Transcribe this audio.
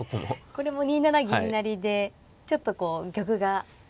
これも２七銀成でちょっとこう玉が近づいて。